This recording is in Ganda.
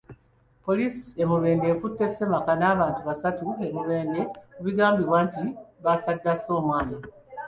Poliisi e Mubende ekutte ssemaka n’abantu basatu e Mubende ku bigambibwa nti basaddaase omwana.